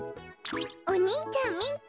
お兄ちゃんみっけ！